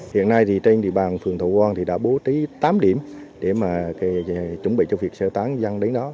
hiện nay thì trên địa bàn phường thọ quang thì đã bố trí tám điểm để mà chuẩn bị cho việc sơ tán dân đến đó